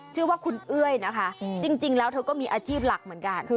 ชื่อว่าคุณเอ้ยนะคะจริงแล้วเธอก็มีอาชีพหลักเหมือนกัน